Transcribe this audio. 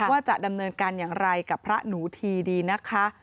ว่าจะดำเนินการอย่างไรกับพระหนูทีดีนะคะ